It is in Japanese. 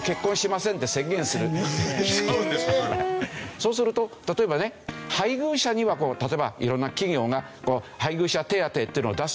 そうすると例えばね配偶者には例えば色んな企業が配偶者手当っていうのを出すでしょ。